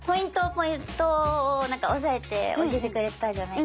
ポイントを押さえて教えてくれてたじゃないですか。